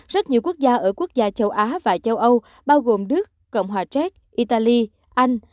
rất nhiều quốc gia ở quốc gia châu á và châu âu bao gồm đức cộng hòa xét italy anh